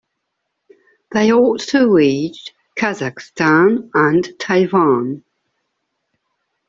They also reach Kazakhstan and Taiwan.